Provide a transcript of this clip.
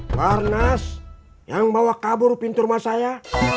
barnas yang bawa kabur pintu rumah saya